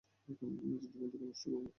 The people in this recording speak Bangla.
নিজের জীবনটাকে নষ্ট কোরো না।